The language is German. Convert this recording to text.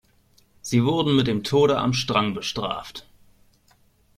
Sie wurden mit dem Tode am Strang bestraft.